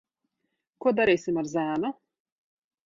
Ko darīsim ar zēnu?